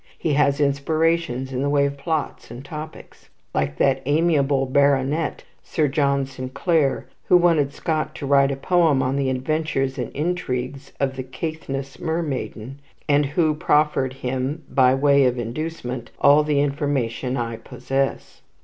He has inspirations in the way of plots and topics, like that amiable baronet, Sir John Sinclair, who wanted Scott to write a poem on the adventures and intrigues of a Caithness mermaiden, and who proffered him, by way of inducement, "all the information I possess."